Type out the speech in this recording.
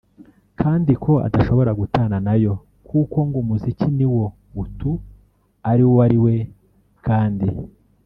kandi ko adashobora gutana nayo kuko ngo umuziki niwo utu ari uwo ari we kandi